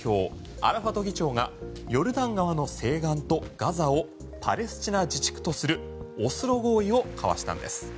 アラファト議長がヨルダン側の西岸とガザをパレスチナ自治区とするオスロ合意を交わしたんです。